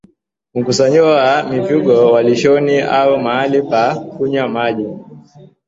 Mkusanyiko wa mifugo malishoni au mahali pa kunywa maji